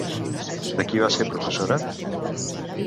De qui va ser professora?